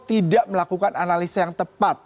tidak melakukan analisa yang tepat